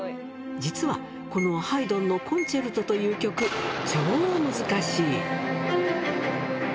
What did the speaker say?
実はこのハイドンのコンチェルトという曲、超難しい。